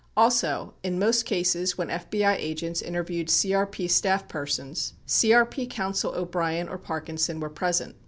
18 Also, in most cases when FBI agents interviewed CRP staff persons, CRP counsel O'Brien or Parkinson were present.